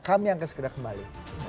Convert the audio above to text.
kami akan segera kembali